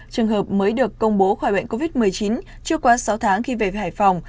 trường hợp mới được công bố khỏi bệnh covid một mươi chín chưa quá sáu tháng khi về hải phòng